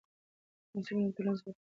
محصلین د ټولنیزو واقعیتونو په لټه کې دي.